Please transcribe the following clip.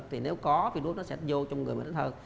thì nếu có virus nó sẽ vô trong người mình ít hơn